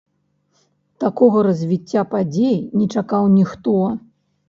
Такога развіцця падзей не чакаў ніхто.